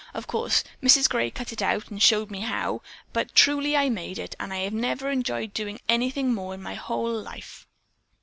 Of course, Mrs. Gray cut it out and showed me how, but truly I made it, and I never enjoyed doing anything more in my whole life."